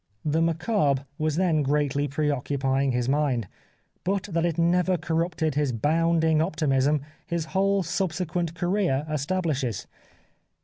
The macabre was then greatly preoccupying his mind, but that it never corrupted his bounding optim ism his whole subsequent career establishes.